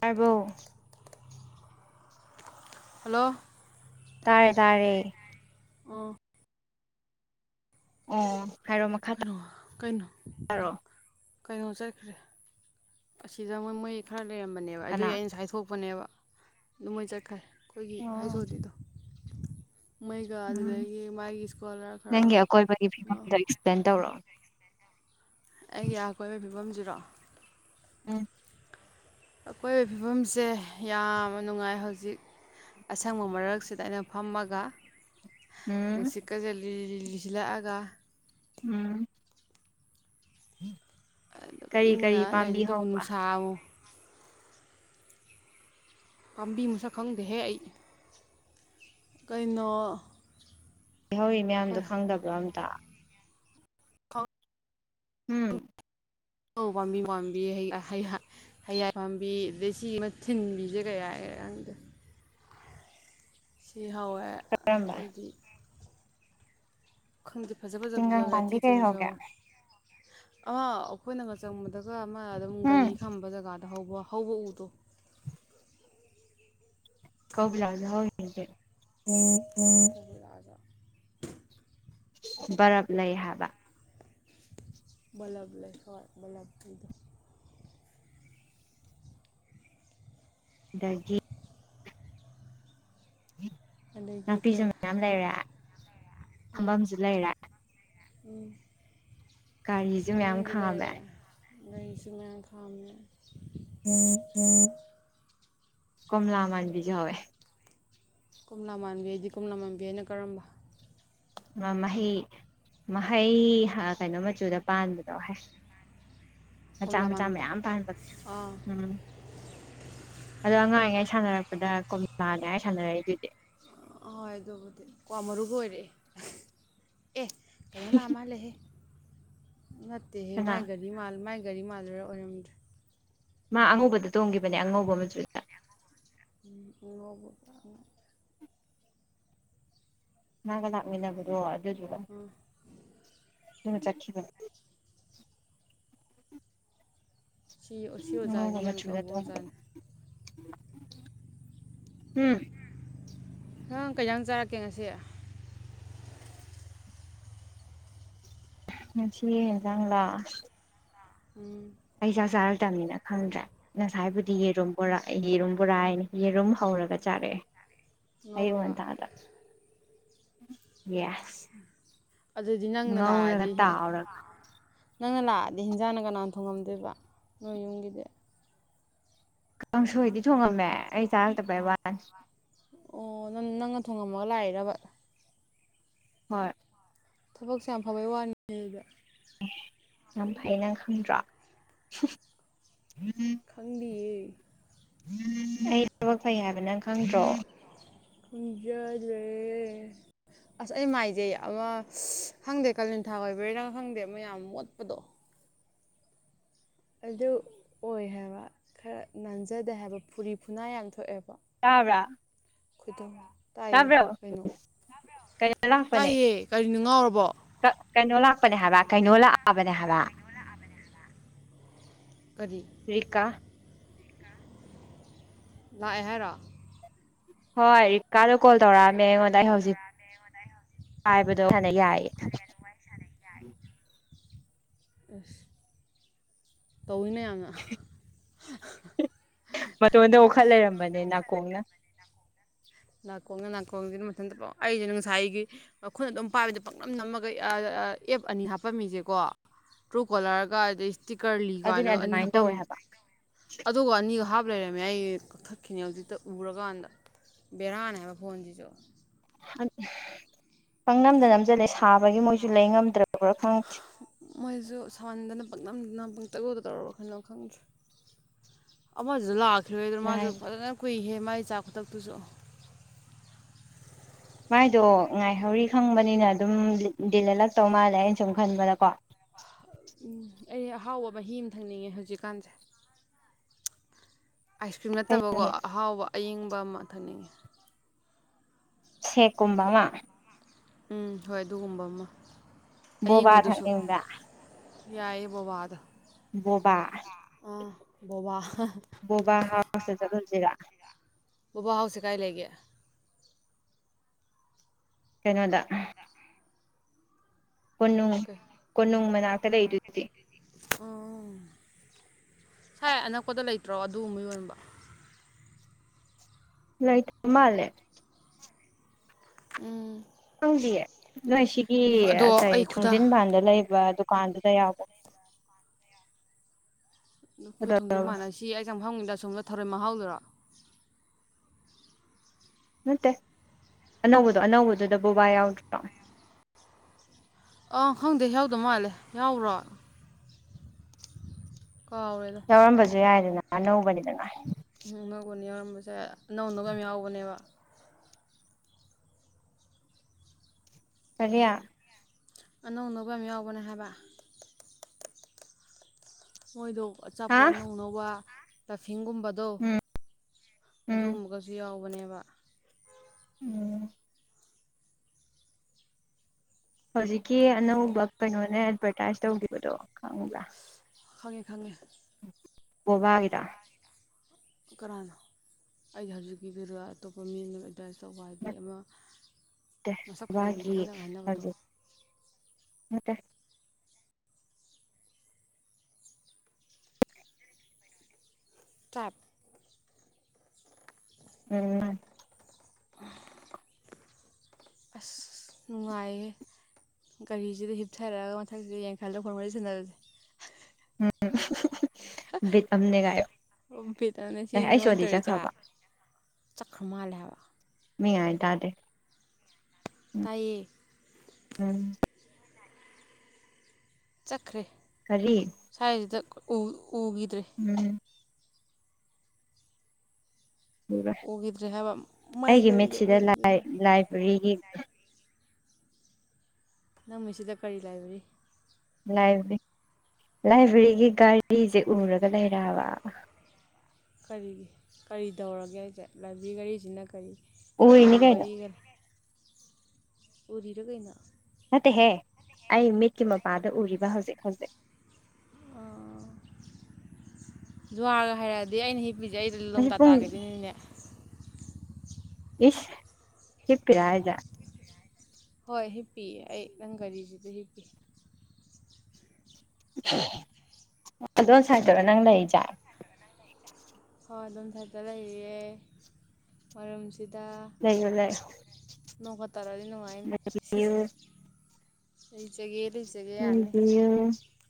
ꯍꯥꯏꯕꯣ ꯍꯜꯂꯣ ꯇꯥꯔꯦ ꯇꯥꯔꯦ ꯑ ꯑꯣ ꯍꯥꯏꯔꯣ ꯃꯈꯥ ꯀꯩꯅꯣ ꯀꯩꯅꯣ ꯇꯥꯔꯣ ꯀꯩꯅꯣ ꯆꯠꯈ꯭ꯔꯦ ꯑꯁꯤꯗ ꯃ ꯃꯣꯏ ꯈꯔ ꯂꯩꯔꯝꯕꯅꯦꯕ ꯑꯗꯨꯒꯤ ꯀꯅꯥ ꯑꯩꯅ ꯉꯥꯏꯁꯥꯏꯊꯣꯛꯄ ꯄꯅꯦꯕ ꯗꯨ ꯃꯣꯏ ꯆꯠꯈ꯭ꯔꯦ ꯑꯩꯈꯣꯏꯒꯤ ꯍꯩꯁ ꯑꯣ ꯗꯤ ꯗꯣ ꯃꯩꯒ ꯎꯝ ꯑꯗꯨꯗꯒꯤ ꯃꯥꯒꯤ ꯁ꯭ꯀꯣꯂꯔ ꯈꯔꯒ ꯄ꯭ꯂꯦꯟ ꯇꯧꯔꯛꯑꯣ ꯑꯩꯒꯤ ꯑꯀꯣꯏꯕꯩ ꯐꯤꯕꯝꯖ [inaudible] ꯎꯝ ꯑꯀꯣꯏꯕꯩ ꯐꯤꯕꯝꯁꯦ ꯌꯥꯝꯅ ꯅꯨꯡꯉꯥꯏ ꯍꯧꯖꯤꯛ ꯑꯁꯪꯕ ꯃꯔꯛꯁꯤꯗ ꯑꯩꯅ ꯐꯝꯃꯒ ꯒꯥ ꯎꯝ ꯅꯨꯡꯁꯤꯠꯀꯁꯦ ꯂꯤꯔꯤ ꯂꯤꯔꯤ [unintelligible] ꯎꯝ [inaudible] ꯑꯗꯨꯒ ꯀꯔꯤ ꯀꯔꯤ ꯏꯪꯅ ꯄꯥꯝꯕꯤ ꯂꯥꯏꯔꯤꯛ ꯗꯨꯕꯨ ꯍꯧꯕ ꯅꯨꯡꯁꯥꯋ ꯄꯥꯝꯕꯤ ꯃꯁꯛ ꯈꯪꯗꯦꯍꯦ ꯑꯩ ꯀꯩꯅꯣ ꯍꯧꯔꯤ ꯃꯌꯥꯝꯗꯣ ꯈꯪꯗꯕ꯭ꯔꯥ ꯃꯤ ꯇ ꯎꯝ ꯎꯧ ꯄꯥꯝꯕꯤ ꯄꯥꯝꯕꯤ ꯍꯩ ꯑ ꯍꯩ ꯑ ꯍꯩꯌꯥꯏ ꯄꯥꯝꯕꯤ ꯗꯩꯁꯤꯒꯤ ꯑꯃ ꯊꯤꯟꯕꯤꯁꯦ ꯀꯩ ꯍꯥꯏꯔ ꯈꯪꯗꯦ ꯁꯤ ꯍꯧꯋꯦ ꯀꯔꯝꯕ ꯑꯇꯩꯗꯤ ꯈꯪꯗꯦ ꯐꯖ ꯐꯖꯕꯁꯨ ꯆꯤꯡꯒꯪ ꯌꯥꯎꯋꯦ ꯄꯥꯝꯕꯤ ꯀꯩ ꯑꯊꯤꯊꯤꯕꯁꯨ ꯍꯧꯒꯦ ꯌꯥꯎꯋꯦ ꯑ ꯑꯩꯈꯣꯏꯅꯒ ꯆꯪꯕꯗꯒ ꯑꯃ ꯑꯗꯨꯝ ꯎꯝ ꯒꯥꯔꯤ ꯈꯝꯕ ꯖꯒꯥ ꯍꯧꯕ ꯍꯧꯕ ꯎꯗꯣ [unintelligible] [unintelligible] ꯕꯔꯞ ꯂꯩ ꯍꯥꯏꯕ ꯕꯂꯞ ꯂꯩ ꯍꯣꯏ ꯕꯂꯞꯀꯤꯗꯣ ꯗꯒꯤ ꯑꯗꯒꯤ ꯅꯥꯄꯤꯁꯨ ꯀꯩ ꯃꯌꯥꯝ ꯂꯩꯔꯦ ꯎꯝ ꯐꯝꯕꯝꯁꯨ ꯂꯩꯔꯦ ꯎꯝ ꯒꯥꯔꯤꯁꯦ ꯃꯌꯥꯝ ꯈꯥꯝꯃꯦ ꯒꯩꯁꯨ ꯃꯌꯥꯝ ꯈꯥꯝꯃꯦ ꯀꯣꯝꯂ ꯃꯟꯕꯤꯖꯨ ꯍꯧꯋꯦ ꯀꯣꯝꯂꯥ ꯃꯥꯟꯕꯤ ꯍꯥꯏꯗꯤ ꯀꯣꯝꯂꯥ ꯃꯥꯟꯕꯤ ꯍꯥꯏꯅ ꯀꯔꯝꯕ ꯃ ꯃꯍꯩ ꯃꯍꯩ ꯑ ꯀꯩꯅꯣ ꯃꯆꯨꯗ ꯄꯥꯟꯕꯗꯣ ꯍꯦ ꯃꯆꯥ ꯀꯣꯝꯂꯥ ꯃꯆꯥ ꯃꯥꯟꯕꯤꯗꯣ ꯃꯌꯥꯝ ꯄꯥꯟꯕ ꯑꯥ ꯎꯝ ꯑꯗꯣ ꯑꯉꯥꯡꯑꯣꯏꯉꯩ ꯁꯥꯟꯅꯔꯛꯄꯗ ꯀꯣꯃꯤꯃꯥꯂꯦ ꯍꯩꯏ ꯁꯥꯟꯅꯔꯛꯏꯗꯨꯗꯤ ꯍꯍꯣꯏ ꯑꯗꯨꯕꯨꯗꯤ ꯀ꯭ꯋꯥ ꯃꯔꯨ ꯂꯣꯏꯔꯛꯑꯦ ꯑꯦ ꯀꯩꯅꯣ ꯑ ꯃꯜꯂꯦꯍꯦ ꯅꯠꯇꯦꯍꯦ ꯀꯅꯥ ꯃꯥꯏ ꯒꯔꯤ ꯃꯥꯜ ꯃꯥꯏ ꯒꯥꯔꯤ ꯃꯥꯜꯂꯨꯔꯥ ꯑꯣꯏꯔꯝꯗ꯭ꯔꯦ ꯃꯥ ꯑꯉꯧꯕꯗ ꯇꯣꯡꯈꯤꯕꯅꯦ ꯑꯉꯧꯕ ꯃꯆꯨꯗ [inaudible] ꯃꯥꯅꯥꯒ ꯂꯥꯛꯃꯤꯟꯅꯕꯗꯣ ꯑꯗꯨ ꯎꯝ [unintelligible] ꯑꯗꯨ ꯆꯠꯈꯤꯕ ꯁꯤ ꯁꯤ ꯑꯉꯧꯕ ꯑꯣꯖꯥꯁꯦ ꯌꯥꯝ ꯃꯆꯨꯗ ꯇꯧꯕ ꯇꯣꯡꯕ ꯑꯣꯖꯥꯅꯤ [inaudible] ꯎꯝ ꯅꯪ ꯀꯩ ꯖꯥꯡ ꯆꯥꯔꯛꯀꯦ ꯉꯁꯤ ꯉꯁꯤ ꯍꯦꯟꯖꯥꯡ ꯂꯥ ꯎꯝ ꯑꯩ ꯆꯥꯛ ꯆꯥꯔꯛꯇꯝꯅꯤꯅ ꯈꯪꯗ꯭ꯔꯦ ꯉꯁꯥꯏꯕꯨꯗꯤ ꯌꯦꯔꯨꯝ ꯕꯣꯔꯥ ꯌꯦꯔꯨꯝ ꯕꯣꯔꯥ ꯌꯦ ꯌꯦꯔꯨꯝ ꯍꯧꯔꯒ ꯆꯥꯔꯛꯑꯦ ꯑꯌꯨꯛ ꯉꯧꯔꯒ ꯉꯟꯇꯗ [inaudible] ꯌꯦꯁ ꯑꯗꯨꯗꯤ ꯅꯪꯅ ꯉꯧꯔꯒ ꯂꯥꯛꯑꯗꯤ ꯇꯥꯎꯔꯒ ꯅꯪꯅ ꯂꯥꯛꯑꯗꯤ ꯍꯤꯟꯖꯥꯡꯅ ꯀꯅꯥꯅ ꯊꯣꯡꯉꯝꯗꯣꯏꯕ ꯅꯣꯏ ꯌꯨꯝꯒꯤꯗꯤ ꯀꯥꯡꯁꯣꯏꯗꯤ ꯊꯣꯡꯉꯝꯃꯦ ꯑꯩ ꯆꯥꯔꯛꯇꯕꯩ ꯋꯥꯅꯤ ꯑꯣ ꯅꯪ ꯅꯪꯅ ꯊꯣꯉꯝꯃꯒ ꯂꯥꯛꯏꯔꯕ ꯍꯣꯏ ꯊꯕꯛꯁꯦ ꯌꯥꯝ ꯐꯕꯩ ꯋꯥꯅꯤꯅꯦ ꯑꯩꯗꯤ ꯌꯥꯝ ꯐꯩ ꯅꯪ ꯈꯪꯗ꯭ꯔꯣ ꯈꯪꯗꯤꯌꯦ [inaudible] ꯑꯩ ꯊꯕꯛ ꯐꯩ ꯍꯥꯏꯕ ꯅꯪ ꯈꯪꯗ꯭ꯔꯣ ꯈꯪꯖꯗ꯭ꯔꯦ ꯑꯁ ꯑꯩ ꯃꯥꯏꯖꯦ ꯑꯃ ꯈꯪꯗꯦ ꯀꯥꯂꯦꯟꯊꯥ ꯑꯣꯏꯕꯩꯔꯥ ꯈꯪꯗꯦ ꯑꯃꯌꯥꯝ ꯃꯣꯠꯄꯗꯣ ꯑꯗꯨ ꯑꯣꯏ ꯍꯥꯏꯕ ꯈꯔ ꯅꯥꯟꯖꯗꯦ ꯍꯥꯏꯕ ꯐꯨꯔꯤ ꯐꯨꯅꯥꯏ ꯌꯥꯝ ꯊꯣꯛꯑꯦꯕ ꯇꯕ꯭ꯔꯥ [unintelligible] ꯇꯥꯕ꯭ꯔꯣ ꯀꯩꯅꯣ ꯀꯩꯅꯣ ꯂꯥꯛꯄꯅꯦ ꯇꯥꯏꯌꯦ ꯀꯔꯤꯅꯣ ꯉꯥꯎꯔꯕꯣ ꯀ ꯀꯅꯣ ꯂꯥꯛ ꯄꯅꯦ ꯍꯥꯏꯕ ꯀꯩꯅꯣ ꯂꯥ [unintelligible] ꯍꯥꯏꯕ ꯀꯔꯤ ꯔꯤꯀꯥ [inaudible] ꯂꯥꯛꯑꯦ ꯍꯥꯏꯔꯣ ꯍꯣꯏ ꯀꯥꯔꯛ ꯀꯣꯜ ꯇꯧꯔꯛꯑꯝꯃꯦ ꯑꯩꯉꯣꯟꯗ ꯑꯩ ꯍꯧꯖꯤꯛ ꯄꯥꯏꯕꯗꯣ [unintelligible] ꯑꯁ ꯇꯧꯋꯤ ꯃꯌꯥꯝꯅ ꯃꯇꯣꯟꯗ ꯋꯥꯈꯠ ꯂꯩꯔꯝꯕꯅꯦ ꯅꯥꯀꯣꯡꯅ ꯅꯥꯀꯣꯡꯗ ꯅꯥꯀꯣꯡꯁꯤꯅ ꯃꯊꯟꯇ ꯂꯣꯏ ꯑꯩꯁꯤꯅ ꯉꯁꯥꯏꯒꯤ ꯃꯈꯨꯠ ꯑꯗꯨꯝ ꯄꯥꯏꯕꯗ ꯄꯥꯛꯅꯝ ꯅꯝꯃꯒ ꯑ ꯑꯦꯞ ꯑꯅꯤ ꯍꯥꯞꯄꯝꯃꯤꯁꯦꯀꯣ ꯇ꯭ꯔꯨ ꯀꯣꯂꯔꯒ ꯑꯗꯩ ꯇꯤꯀꯔꯂꯤ ꯑꯗꯨꯅꯦ ꯀꯥꯏꯅꯒ ꯑꯅꯤ ꯑꯗꯨꯃꯥꯏꯅ ꯍꯥꯞꯄꯝ ꯇꯧꯋꯦ ꯍꯥꯏꯕ ꯑꯗꯨꯒ ꯑꯅꯤꯒ ꯍꯥꯞ ꯂꯩꯔꯝ ꯃꯌꯥꯏ ꯀꯛꯊꯛꯈꯤꯅꯦ ꯍꯧꯖꯤꯛꯇ ꯎꯔꯀꯥꯟꯗ ꯕꯦꯔꯥꯅꯦꯕ ꯐꯣꯟꯁꯤꯁꯨ ꯄꯪ ꯅꯝꯗ ꯅꯝꯁꯤꯜꯂꯦ ꯁꯥꯕꯒꯤ ꯃꯣꯏꯁꯨ ꯂꯩ ꯉꯝꯗ꯭ꯔ ꯃꯣꯏꯁꯨ ꯁꯥꯎꯍꯟꯗꯅ ꯄꯥꯛꯅꯝꯗ ꯅꯝ ꯄꯨꯡꯇꯧꯗ ꯇꯧꯔꯕ ꯀꯦꯅꯣ ꯈꯪꯗ꯭ꯔꯦ ꯑꯃꯗꯨꯁꯨ ꯂꯥꯛ ꯂꯣꯏꯔꯦꯗꯅ ꯃꯥꯁꯨ ꯍꯥꯏ ꯐꯖꯅ ꯀꯨꯏꯍꯦ ꯃꯥꯏ ꯆꯥ ꯈꯨꯊꯛꯇꯨꯁꯨ ꯃꯥꯏꯗꯣ ꯉꯥꯏꯍꯧꯔꯤ ꯈꯪꯕꯅꯤꯅ ꯑꯗꯨꯝ ꯗꯤꯂꯂꯦꯂꯛꯇꯧ ꯃꯥꯜꯂꯦ ꯑꯩꯅ ꯁꯨꯝ ꯈꯟꯕꯗꯀꯣ ꯎꯝ ꯑꯩ ꯑꯍꯥꯎꯕ ꯃꯍꯤ ꯑꯃ ꯊꯛꯅꯤꯡꯉꯦ ꯍꯧꯖꯤꯛꯀꯥꯟꯁꯦ ꯑꯥꯏꯁ ꯀ꯭ꯔꯤꯝ ꯅꯠꯇꯕꯀꯣ ꯑꯍꯥꯎꯕ ꯑꯌꯤꯡꯕ ꯕꯃꯥ ꯊꯛꯅꯤꯡꯉꯦ ꯁꯦꯛ ꯀꯨꯝꯕꯃ ꯎꯝ ꯍꯣꯏ ꯑꯗꯨꯒꯨꯝꯕ ꯑꯃ ꯕꯣꯕꯥ ꯊꯛꯅꯤꯡꯕ꯭ꯔꯥ ꯌꯥꯏ ꯕꯣꯕꯥꯗꯣ ꯕꯣꯕꯥ ꯎꯝ ꯕꯣꯕꯥ ꯕꯣꯕꯥ ꯍꯥꯎꯁꯇ ꯆꯠꯂꯨꯁꯤꯔ ꯕꯣꯕꯥ ꯍꯥꯎꯁꯦ ꯀꯥꯏ ꯂꯩꯒꯦ ꯀꯩꯅꯣꯗ ꯀꯣꯅꯨꯡ ꯀꯣꯅꯨꯡ ꯃꯅꯥꯛ [inaudible] ꯑꯣ ꯁꯥꯏ ꯑꯅꯛꯄꯗ ꯂꯩꯇ꯭ꯔꯣ ꯑꯗꯨꯝꯕ ꯌꯣꯟꯕ ꯂꯩꯇꯕ ꯃꯥꯂꯦ ꯎꯝ ꯎꯗꯤꯌꯦ ꯅꯣꯏꯁꯤ ꯀꯤ ꯑꯗꯣ ꯑꯩ ꯀꯩ ꯈꯨꯗꯥ ꯊꯣꯡꯖꯤꯟꯕꯥꯟꯗ ꯂꯩꯕ ꯗꯨꯀꯥꯟꯗꯨꯗ ꯌꯥꯎꯕꯅꯦ ꯑꯩꯈꯣꯏ ꯊꯣꯡꯖꯤꯟ ꯃꯥꯟꯅꯁꯤ ꯍꯦꯛ ꯆꯪ ꯐꯃꯒꯤꯗ ꯑꯁꯨꯝꯕ ꯊꯔꯣꯏ ꯃꯍꯥꯎꯗꯨꯔ ꯅꯠꯇꯦ ꯑꯅꯧꯕꯗꯣ ꯑꯅꯧꯕꯗꯨꯗ ꯕꯣꯕꯥ ꯌꯥꯎꯗ꯭ꯔꯣ ꯑꯥꯎ ꯈꯪꯗꯦ ꯌꯥꯎꯗ ꯃꯥꯜꯂꯦ ꯌꯥꯎꯕ꯭ꯔꯣ ꯀꯥꯎꯔꯦꯗ ꯌꯥꯎꯔꯝꯕꯁꯨ ꯌꯥꯏꯗꯅ ꯑꯅꯧꯕꯅꯤꯗꯅ ꯎꯅꯧꯕꯅꯦ ꯌꯥꯎꯔꯝꯕꯁꯨ ꯌꯥꯏ ꯑꯅꯧ ꯑꯅꯧꯕ ꯌꯥꯝ ꯌꯥꯎꯕꯅꯦꯕ ꯀꯔꯤ ꯑꯅꯧ ꯑꯅꯧꯕ ꯌꯥꯝ ꯌꯥꯎꯕꯅꯦ ꯍꯥꯏꯕ ꯃꯣꯏꯗꯣ ꯍꯥ ꯑꯆꯥꯄꯣꯠ ꯑꯅꯧ ꯑꯅꯧꯕ [unintelligible] ꯍꯤꯡꯒꯨꯝꯕꯗꯣ ꯎꯝ ꯎꯝ ꯑꯗꯨꯒꯨꯝꯕꯒꯁꯨ ꯌꯥꯎ ꯕꯅꯦꯕ ꯎꯝ ꯍꯧꯖꯤꯛꯀꯤ ꯑꯅꯧꯕ ꯀꯩꯅꯣꯅꯦ ꯑꯦꯠꯚꯔꯇꯥꯏꯁ ꯇꯧꯈꯤꯕꯗꯣ ꯈꯪꯕ꯭ꯔꯥ ꯈꯪꯉꯦ ꯈꯪꯉꯦ ꯕꯣꯕꯥꯒꯤꯗꯣ ꯀꯅꯥꯅꯣ ꯑꯩ ꯍꯧꯖꯤꯀꯤꯗꯨꯔ ꯑꯇꯣꯞꯄ ꯃꯤ ꯗꯔ ꯇꯧꯕ ꯍꯥꯏꯗꯤ ꯑꯃ ꯅꯠꯇꯦ ꯃꯁꯛ ꯐꯖꯕꯤꯗꯣ ꯕꯣꯕꯥꯒꯤ ꯑꯩꯈꯣꯏꯅꯒ ꯍꯥꯏꯅꯕꯗꯣ ꯍꯧꯖꯤꯛ ꯅꯠꯇꯦ [unintelligible] [unintelligible] ꯑꯁ ꯅꯨꯡꯉꯥꯏꯌꯦ ꯒꯥꯔꯤꯁꯤꯗ ꯍꯤꯞꯊꯔꯒ ꯃꯊꯛꯁꯤꯗ ꯌꯦꯡꯈꯜꯂꯒ ꯐꯣꯟ ꯋꯥꯔꯤ ꯁꯟꯅꯕꯁꯦ [unintelligible] ꯕꯤꯠ ꯑꯝꯅꯦ ꯀꯥꯏꯌꯣ ꯎꯝ ꯕꯤꯠ ꯑꯝꯅꯦ ꯑꯦ ꯁꯤꯖꯤꯅꯦ ꯑꯩ ꯃꯣꯏ ꯁꯣꯜꯂꯤ ꯇꯧꯔꯤꯁꯦ ꯍꯥ ꯆꯠꯈ꯭ꯔꯕ ꯆꯠꯈ꯭ꯔ ꯃꯥꯜꯂꯦ ꯍꯥꯏꯕ [inaudible] ꯃꯤꯉꯥꯏ ꯇꯥꯗꯦ ꯇꯥꯏꯌꯦ ꯎꯝ ꯈ꯭ꯔꯦ ꯀꯔꯤ ꯁ꯭ꯋꯥꯏꯖꯤꯗ ꯎ ꯎꯒꯤꯗ꯭ꯔꯦ ꯎꯝ ꯗꯨꯒ ꯎꯈꯤꯗ꯭ꯔꯦ ꯍꯥꯏꯕ ꯃꯥꯏ ꯑꯩꯒꯤ ꯒꯥꯔꯤꯗꯣ ꯃꯤꯠꯁꯤꯗ ꯂꯥꯏ ꯎꯈꯤꯗ꯭ꯔꯦ ꯂꯥꯏꯕꯦꯔꯤ [unintelligible] ꯅꯪ ꯃꯤꯁꯤꯗ ꯀꯔꯤ ꯂꯥꯏꯍꯣꯔꯤ ꯂꯥꯏꯕ꯭ꯔꯤ ꯂꯥꯏꯕ꯭ꯔꯦꯔꯤꯒꯤ ꯒꯥꯔꯤꯁꯦ ꯎꯔꯒ ꯂꯩꯔꯦ ꯍꯥꯏꯕ ꯀꯔꯤꯒꯤ ꯀꯔꯤ ꯇꯧꯔꯒꯦ ꯍꯥꯏꯖꯦ ꯂꯥꯏꯕꯤꯔꯤ ꯒꯥꯔꯤꯁꯤꯅ ꯀꯩ ꯎꯔꯤꯅꯤ ꯀꯔꯤ ꯀꯩꯅꯣ ꯋꯥꯔꯤꯒ ꯎꯔꯤꯔ ꯀꯩꯅꯣ ꯑꯠꯇꯦꯍꯦ ꯑꯩ ꯃꯤꯠꯀꯤ ꯃꯄꯥꯗ ꯎꯔꯤꯕ ꯍꯧꯖꯤꯛ ꯍꯧꯖꯤꯛ ꯑꯣ ꯖꯨꯋꯥꯔꯒ ꯍꯥꯏꯔꯛꯑꯗꯤ ꯑꯩꯅ ꯍ ꯕꯤꯁꯦ ꯑꯩꯁꯨ ꯍꯧꯖꯤꯛ ꯂꯣꯡꯗꯥ ꯄꯨꯡ ꯇꯥꯈꯤꯗꯣꯏꯅꯤꯅꯦ ꯏꯁ ꯍꯤꯞꯄꯤꯔ ꯍꯥꯏꯖꯦ ꯍꯣꯏ ꯍꯤꯞꯄꯤꯌꯦ ꯑꯩ ꯅꯪ ꯒꯥꯔꯤꯁꯤꯗ ꯍꯤꯞꯄꯤ ꯑꯗꯣꯟ ꯁꯥꯥꯑꯥꯏ꯭ꯇ ꯇꯔꯣ ꯅꯪ ꯂꯩꯔꯤꯖꯦ ꯍꯣꯏ ꯑꯗꯣꯝ ꯁꯑꯥꯏ꯭ꯇꯇ ꯂꯩꯔꯤꯌꯦ ꯃꯔꯝ ꯁꯤꯗ ꯂꯩꯌꯨ ꯅꯣꯡꯒ ꯇꯥꯔꯛꯑꯗꯤ ꯅꯨꯡꯉꯥꯏꯅꯤ ꯂꯩꯌꯨ ꯁꯤꯁ ꯂꯩꯖꯒꯦ ꯂꯩ [unintelligible]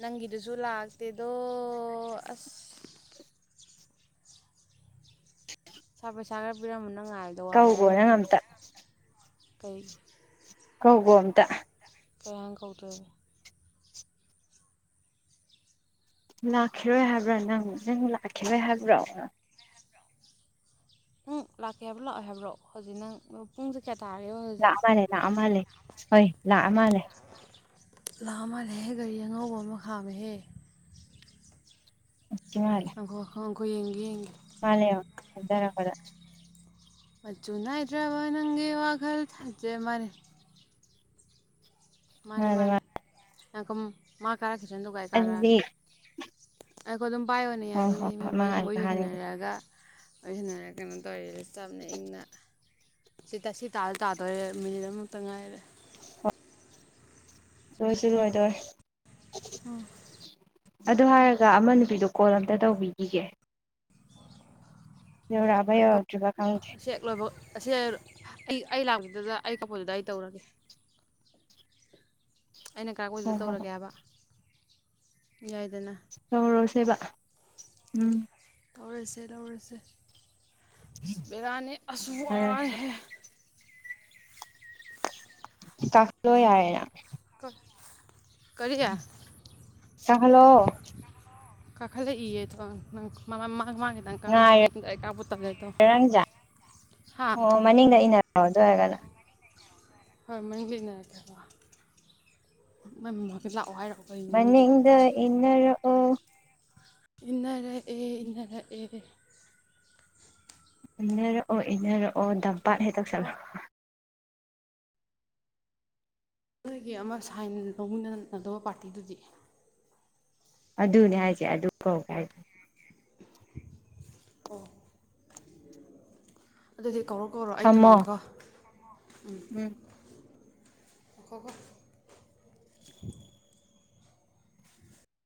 ꯅꯪꯒꯤꯗꯨꯁꯨ ꯂꯥꯛꯇꯦꯗꯣ ꯑꯁ ꯁꯔ ꯄꯩꯁꯥ ꯈꯔ ꯄꯤꯔꯝ ꯅꯪ ꯉꯥꯏꯕꯗ ꯋꯥꯔꯦ ꯀꯧꯒꯣ ꯅꯪ ꯍꯥꯏꯔꯝꯒꯗꯝꯅꯦ ꯑꯝꯇ ꯀꯩ ꯀꯧꯒꯣ ꯑꯝꯇ [unintelligible] ꯂꯥꯛꯈꯤꯔꯣꯏ ꯍꯥꯏꯕ꯭ꯔꯥ ꯅꯪ ꯅꯪ ꯂꯥꯛꯈꯤꯔꯣꯏ ꯍꯥꯏꯕ꯭ꯔꯣ ꯅꯪ ꯂꯥꯛꯀꯦ ꯍꯥꯏꯕ꯭ꯔꯣ ꯂꯥꯛꯑꯣꯏ ꯍꯥꯏꯕ꯭ꯔꯣ ꯍꯧꯖꯤꯛ ꯅꯪ ꯄꯨꯡꯖꯦ ꯀꯌꯥ ꯇꯥꯔꯒꯦꯕ ꯂꯥꯛꯑ ꯍꯧꯖꯤꯛ ꯃꯥꯜꯂꯦ ꯂꯥꯛꯑ ꯃꯥꯜꯂꯦ ꯁꯣꯏ ꯂꯥꯛꯑ ꯃꯥꯜꯂꯦ ꯂꯥꯛꯑ ꯃꯥꯜꯂꯦꯍꯦ ꯒꯥꯔꯤ ꯑꯉꯧꯕ ꯑꯃ ꯈꯥꯝꯃꯦꯍꯦ [unintelligible] ꯈꯣ ꯌꯦꯡꯒꯦ ꯌꯦꯡꯒꯦ ꯃꯅꯥ ꯌꯥꯎ ꯊꯦꯡꯗꯔꯛꯄꯗ ꯃꯆꯨ ꯅꯥꯏꯗ꯭ꯔꯕ ꯅꯪꯒꯤ ꯋꯥꯈꯜ ꯊꯥꯖ ꯃꯅꯤ ꯃꯥꯅꯦ ꯃꯥꯅꯦ ꯉꯥꯏꯈꯣ ꯃꯥꯠ ꯇꯥꯖꯁꯥꯅꯨ ꯒꯥꯔꯤ ꯑꯗꯨꯗꯤ ꯀꯔꯛꯑꯒꯦ [unintelligible] ꯄꯥꯏꯌꯨꯅꯦ ꯑꯣ ꯍꯣ ꯌꯥꯅꯤꯅꯦ ꯃꯤ ꯍꯣꯏ ꯃꯉꯥꯏꯕ ꯋꯥꯔꯤ [unintelligible] ꯍꯥꯟꯅꯒꯤ ꯁꯅꯔꯒ ꯑꯩ ꯅꯥꯔꯦ ꯀꯩꯅꯣꯝ ꯇꯧꯔꯦꯗ ꯁꯤ ꯆꯝꯅ ꯏꯪꯅ ꯁꯤ ꯇꯁꯤ ꯇꯥ ꯇꯥꯗꯣꯔꯦ ꯃꯤꯅꯤꯠ ꯑꯃꯥꯃꯨꯇꯪ ꯉꯥꯏꯔꯦ [inaudible] ꯂꯣꯏꯁꯨ ꯂꯣꯏꯗꯣꯔꯦ ꯎꯝ ꯑꯗꯨ ꯍꯥꯏꯔꯒ ꯑꯃ ꯅꯨꯄꯤꯗꯣ ꯀꯣꯜ ꯑꯝꯇ ꯇꯧꯕꯤꯈꯤꯒꯦ ꯌꯧꯔꯛꯑꯕ ꯌꯧꯔꯛ ꯁꯤ ꯍꯦꯛ ꯂꯣꯕꯒ [unintelligible] ꯑꯩ ꯑꯩ ꯂꯥꯛꯄꯗꯨꯗ ꯑꯩ ꯀꯄꯣꯗꯨꯗ ꯑꯩ ꯇꯧꯔꯒꯦ [inaudible] ꯑꯩꯅ ꯍꯣꯏ ꯀꯔꯛꯄꯩꯗꯨꯗ ꯇꯧꯔꯒꯦ ꯍꯥꯏꯕ ꯌꯥꯏꯗꯅ ꯇꯧꯔꯣꯁꯦꯕ ꯎꯝ ꯂꯧꯔꯁꯦ ꯂꯧꯔꯁꯦ ꯕꯦꯔꯥꯅꯦ ꯑꯁ ꯐꯔꯁꯦ ꯋꯥꯏꯍꯦ ꯆꯠꯂꯣ ꯌꯥꯔꯦ ꯅꯪ [inaudible] [inaudible] ꯆꯍꯜꯂꯣ ꯀꯥꯈꯂꯛꯏꯌꯦ ꯊꯣꯡ ꯅꯪ ꯃꯔꯥꯃꯛ ꯉꯥꯏꯔꯦ ꯅꯪꯁꯦ [unintelligible] ꯑꯣ [unintelligible] ꯍꯣꯏ ꯃꯅꯤꯡꯗ ꯏꯟꯅꯔꯛꯀꯦ ꯍꯥꯏꯕ ꯃꯥꯏ ꯃꯃꯥꯡꯗ ꯂꯥꯛꯑꯣ ꯍꯥꯏꯔꯣ ꯃꯅꯤꯡꯗ ꯏꯟꯅꯔꯛ ꯏꯟꯅꯔꯛ ꯑꯦ ꯏꯟꯅꯔꯛ ꯑꯦ ꯏꯟꯅꯔꯛ ꯑꯣ ꯏꯟꯅꯔꯛ ꯑꯣ ꯗꯝꯄꯥꯥꯠ ꯍꯦꯛ ꯉꯥꯏꯈꯣꯀꯣ ꯇꯧꯁꯜꯂꯣ ꯅꯣꯏꯒꯤ ꯑꯃ ꯁꯥꯏꯟ ꯂꯧꯃꯤꯟꯅꯗꯧꯕ ꯄꯥꯔꯇꯤꯗꯨꯗꯤ ꯑꯗꯨꯅꯦ ꯍꯥꯏꯁꯦ ꯑꯗꯨ ꯀꯧꯀꯦ ꯍꯥꯏ [inaudible] ꯑꯗꯨꯗꯤ ꯀꯧꯔꯛ ꯀꯣꯔꯣ ꯑꯩ ꯊꯝꯃꯣ ꯊꯝꯃꯒꯦꯀꯣ ꯎꯝ [inaudible] ꯉꯥꯏꯈꯣ ꯀꯣ [inaudible]